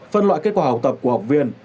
phân loại kết quả học tập của học viên